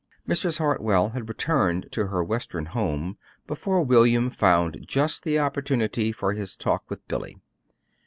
Mrs. Hartwell had returned to her Western home before William found just the opportunity for his talk with Billy.